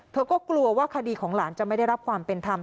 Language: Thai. เธอก็กลัวว่าคดีของหลานจะไม่ได้รับความเป็นธรรม